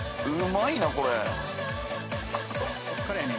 うまいなこれ。